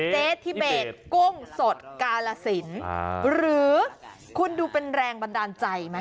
เจ๊ทิเบสกุ้งสดกาลสินหรือคุณดูเป็นแรงบันดาลใจไหม